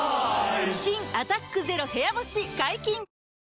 新「アタックＺＥＲＯ部屋干し」解禁‼